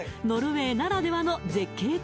ノルウェーならではの絶景